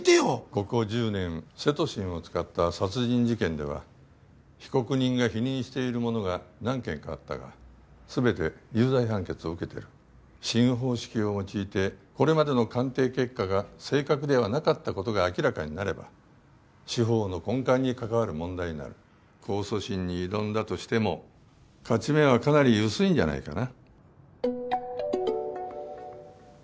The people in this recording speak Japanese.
ここ１０年セトシンを使った殺人事件では被告人が否認しているものが何件かあったがすべて有罪判決を受けてる新方式を用いてこれまでの鑑定結果が正確ではなかったことが明らかになれば司法の根幹にかかわる問題になる控訴審に挑んだとしても勝ち目はかなり薄いんじゃないかな？